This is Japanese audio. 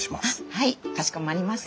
はいかしこまりました。